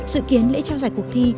dự kiến lễ trao giải cuộc thi